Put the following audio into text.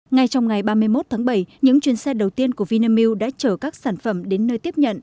ngay trong ngày ba mươi một tháng bảy những chuyến xe đầu tiên của vinamilk đã chở các sản phẩm đến nơi tiếp nhận